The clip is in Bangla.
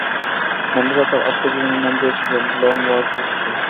ম্যান্ডেলা তাঁর আত্মজীবনীর নাম দিয়েছিলেন লং ওয়াক টু ফ্রিডম ।